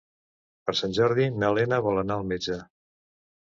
Per Sant Jordi na Lena vol anar al metge.